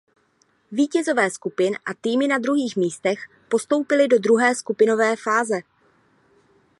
Vítězové skupin a týmy na druhých místech postoupili do druhé skupinové fáze.